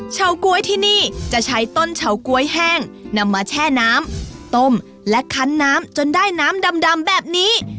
เฉก๊วยที่นี่จะใช้ต้นเฉาก๊วยแห้งนำมาแช่น้ำต้มและคันน้ำจนได้น้ำดำแบบนี้